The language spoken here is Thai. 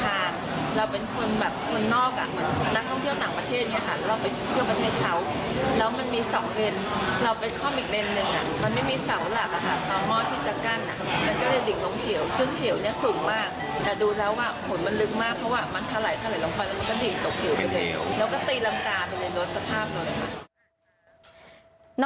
แต่ดูแล้วผลลึกมากเพราะว่ามันถล่ายเทลาควัน